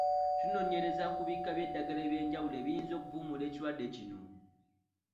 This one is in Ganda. Tunoonyereza ku bika by’eddagala eby’enjawulo ebiyinza okuvumula ekirwadde kino.